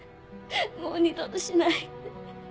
もう二度としないって。